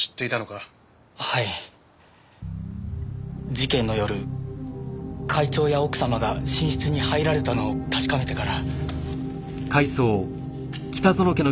事件の夜会長や奥様が寝室に入られたのを確かめてから。